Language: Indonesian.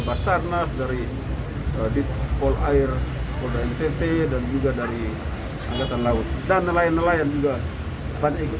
memang saya minta untuk ini dapat diindahkan lebih lanjut